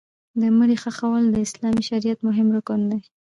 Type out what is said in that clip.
د مړي ښخول د اسلامي شریعت مهم رکن دی.